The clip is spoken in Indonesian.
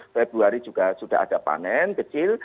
februari juga sudah ada panen kecil